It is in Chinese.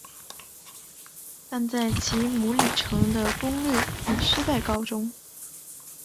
但在骑牟礼城的攻略以失败告终。